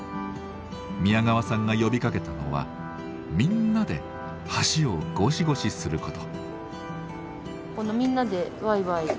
宮川さんが呼びかけたのはみんなで橋をゴシゴシすること。